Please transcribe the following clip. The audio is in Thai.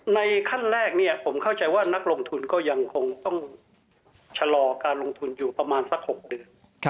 ขั้นแรกผมเข้าใจว่านักลงทุนก็ยังคงต้องชะลอการลงทุนอยู่ประมาณสัก๖เดือน